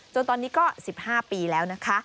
จนตอนนี้ก็๑๕ปีแล้วนะคะ